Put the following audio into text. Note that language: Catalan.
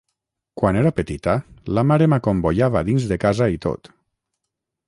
Quan era petita, la mare m'acomboiava dins de casa i tot.